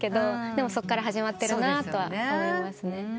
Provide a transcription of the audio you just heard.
でもそっから始まってるなとは思いますね。